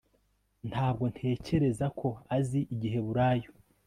Ntabwo ntekereza ko azi Igiheburayo